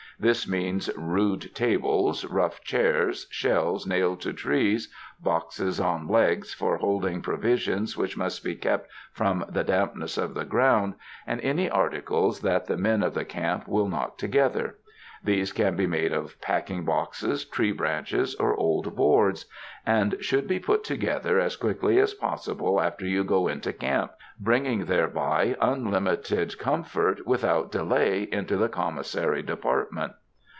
This means rude tables, rough chairs, shelves nailed to trees, boxes on legs for hold ing provisions which must be kept from the damp ness of the ground, and any articles that the men of the camp will knock together. These can be made of packing boxes, tree branches or old boards ; and should be put together as quickly as possible after you go into camp, bringing thereby unlimited com fort without delay into the commissary department.